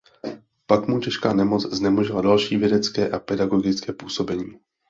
Pak mu těžká nemoc znemožnila další vědecké a pedagogické působení.